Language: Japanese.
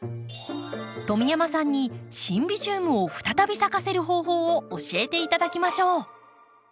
富山さんにシンビジウムを再び咲かせる方法を教えて頂きましょう。